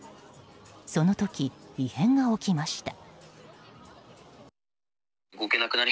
その時、異変が起きました。